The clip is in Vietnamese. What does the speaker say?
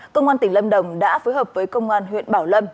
công an tỉnh lâm đồng đã phối hợp với công an huyện bảo lâm